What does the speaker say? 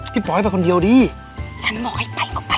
พี่ปลอยไปคนเดียวดิฉันบอกให้ไปก็ไปนะไป